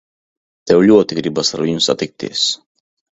Tev ļoti gribas ar viņu satikties.